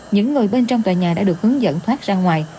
những người bên trong tòa nhà đã được hướng dẫn thoát ra ngoài